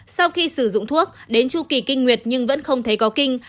sau khi sử dụng thuốc đến chu kỳ kinh nguyệt nhưng vẫn không thấy có kinh